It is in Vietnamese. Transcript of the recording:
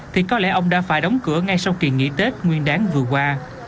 thì có lẽ ông đã phải đóng cửa ngay sau kỳ nghỉ tết nguyên đáng vừa qua